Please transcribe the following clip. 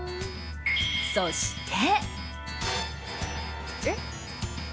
そして。